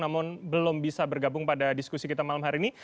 namun belum bisa bergabung pada diskusi kita malam hari ini